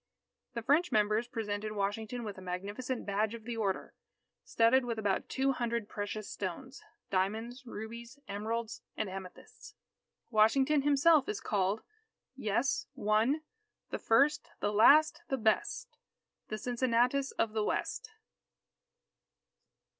The French members presented Washington with a magnificent badge of the Order, studded with about two hundred precious stones diamonds, rubies, emeralds, and amethysts. Washington himself is called: "_Yes one the first the last the best, The Cincinnatus of the West.